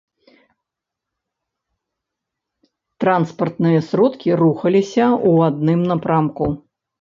Транспартныя сродкі рухаліся ў адным напрамку.